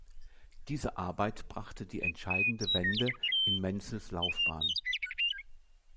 Diese Arbeit brachte die entscheidende Wende in Menzels Laufbahn.